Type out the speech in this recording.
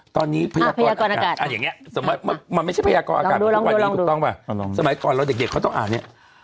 ตอนนี้พยากรอากาศอย่างนี้มันไม่ใช่พยากรอากาศเหมือนทุกวันนี้ถูกต้องป่ะสมัยก่อนเราเด็กเขาต้องอ่านเนี่ย